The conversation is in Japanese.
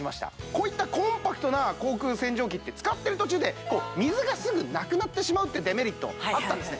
こういったコンパクトな口腔洗浄機って使ってる途中でこう水がすぐなくなってしまうっていうデメリットあったんですね